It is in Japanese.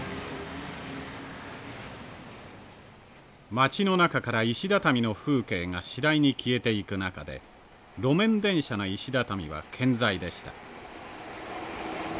街の中から石だたみの風景が次第に消えていく中で路面電車の石だたみは健在でした。